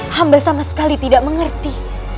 hamba sama sekali tidak mengerti